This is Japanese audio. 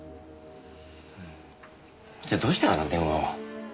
じゃあどうしてあんな電話を？